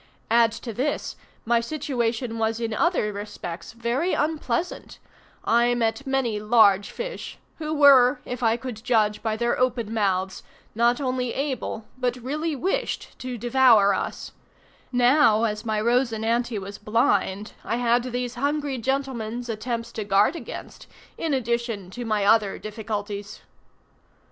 Add to this, my situation was in other respects very unpleasant; I met many large fish, who were, if I could judge by their open mouths, not only able, but really wished to devour us; now, as my Rosinante was blind, I had these hungry gentlemen's attempts to guard against, in addition to my other difficulties.